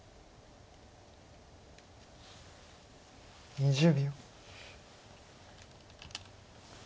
２０秒。